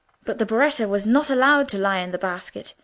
But the berretta was not allowed to lie in the basket.